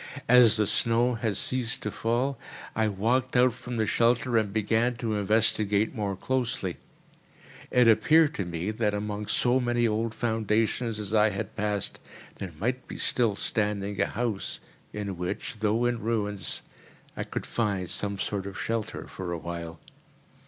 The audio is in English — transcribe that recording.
As the snow had ceased to fall, I walked out from the shelter and began to investigate more closely. It appeared to me that, amongst so many old foundations as I had passed, there might be still standing a house in which, though in ruins, I could find some sort of shelter for a while.